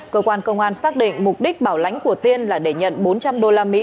cơ quan công an xác định mục đích bảo lãnh của tiên là để nhận bốn trăm linh đô la mỹ